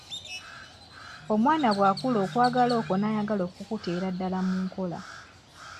Omwana bw’akula okwagala okwo n’ayagala okukuteera ddala mu nkola.